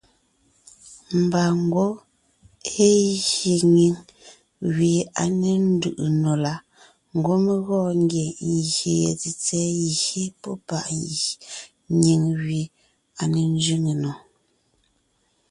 Mba ngwɔ́ é gye nyìŋ gẅie à ne ńdʉʼʉ nò la, ngwɔ́ mé gɔɔn ngie ngyè ye tsètsɛ̀ɛ gye pɔ́ páʼ nyìŋ gẅie à ne ńzẅíŋe nò.